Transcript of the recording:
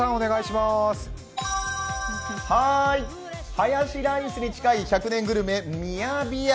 ハヤシライスに近い１００年グルメ、ミヤビヤ。